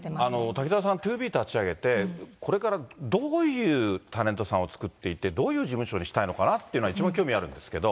滝沢さん、ＴＯＢＥ立ち上げて、これからどういうタレントさんを作っていって、どういう事務所にしたいのかなっていうのが一番興味あるんですけど。